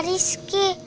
jadi ditangkap rizky itu